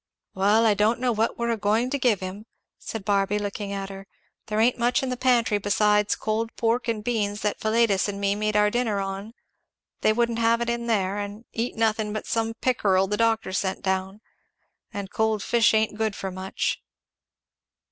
"Well I don't know what we're a going to give him," said Barby looking at her. "There ain't much in the pantry besides cold pork and beans that Philetus and me made our dinner on they wouldn't have it in there, and eat nothing but some pickerel the doctor sent down and cold fish ain't good for much."